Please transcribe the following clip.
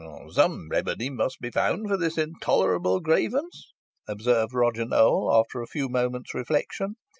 "Some remedy must be found for this intolerable grievance," observed Roger Nowell, after a few moments' reflection.